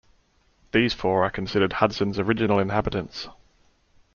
These four are considered Hudson's original inhabitants.